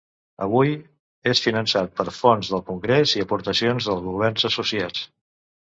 Avui, és finançat per fons del congrés i aportacions dels governs associats.